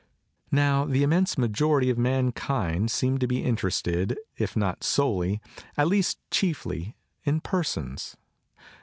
Now, the immense majority of mankind seem to be in terested if not solely, at least chiefly, in persons.